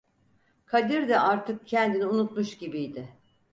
Kadir de artık kendini unutmuş gibiydi.